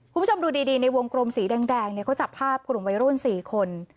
คุณผู้ชมดูดีดีในวงกรมสีแดงแดงเนี่ยก็จับภาพกรุงไวรุ่นสี่คน